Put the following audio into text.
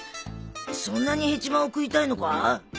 そんなにヘチマを食いたいのか？